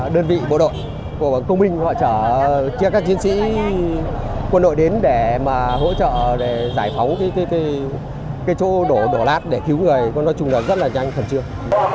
đơn vị bộ đội của công minh họ chở các chiến sĩ quân đội đến để mà hỗ trợ để giải phóng cái chỗ đổ đổ lát để cứu người con nói chung là rất là nhanh khẩn trương